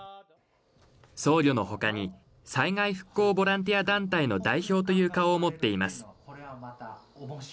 僧侶のほかに災害復興ボランティア団体の代表という顔も持っています。